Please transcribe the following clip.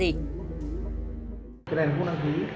cái này không đăng ký